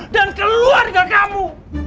dan keluarga kamu